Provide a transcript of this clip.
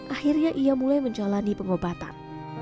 akhirnya ia mulai menjalani pengobatan